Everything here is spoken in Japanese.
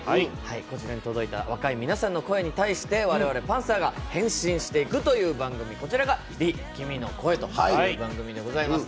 こちらに届いた若い皆さんの声に対して我々パンサーが返信していくという番組、こちらが「Ｒｅ：君の声」という番組でございます。